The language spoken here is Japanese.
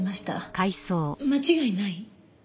間違いない？